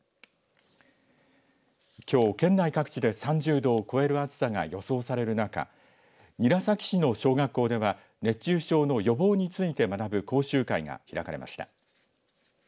きょう県内各地で３０度を超える暑さが予想される中韮崎市の小学校では熱中症の予防について学ぶ講習会が開かれました。